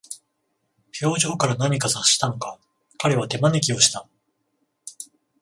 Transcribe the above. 表情から何か察したのか、彼は手招きをした。